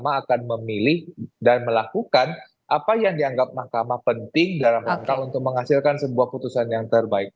mahkamah akan memilih dan melakukan apa yang dianggap mahkamah penting dalam langkah untuk menghasilkan sebuah putusan yang terbaik